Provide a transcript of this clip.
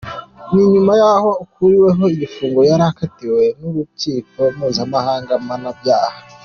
Ni nyuma yaho akuriweho igifungo yari yakatiwe n'urukiko mpuzamahanga mpanabyaha.